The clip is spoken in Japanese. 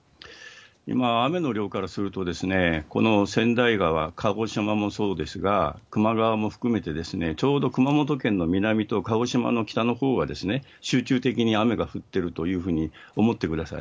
今、雨の量からしますと、この川内川、鹿児島もそうですが、球磨川も含めて、ちょうど熊本県の南と鹿児島の北のほうは、集中的に雨が降っているというふうに思ってください。